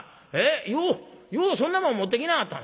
ようようそんなもん持ってきなはったな」。